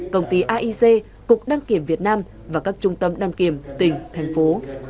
công ty aic cục đăng kiểm việt nam và các trung tâm đăng kiểm tỉnh thành phố